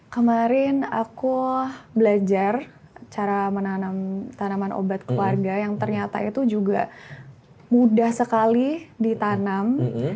kemarin aku belajar cara menanam tanaman obat keluarga yang ternyata itu juga mudah sekali ditanam